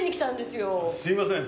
すいません。